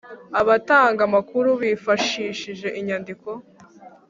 Abatanga amakuru bifashishije inyandiko